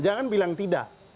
jangan bilang tidak